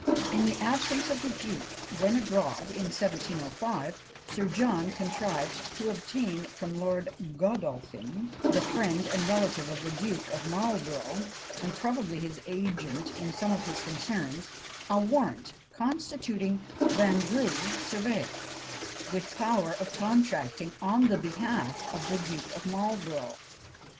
In the absence of the duke, when abroad in 1705, Sir John contrived to obtain from Lord Godolphin, the friend and relative of the Duke of Marlborough, and probably his agent in some of his concerns, a warrant, constituting Vanbrugh surveyor, with power of contracting on the behalf of the Duke of Marlborough.